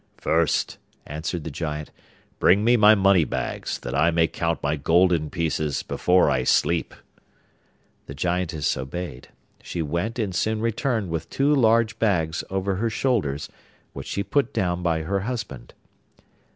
'First,' answered the Giant, 'bring me my money bags, that I may count my golden pieces before I sleep.' The Giantess obeyed. She went and soon returned with two large bags over her shoulders, which she put down by her husband.